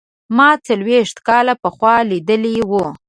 ما څلوېښت کاله پخوا لیدلی و.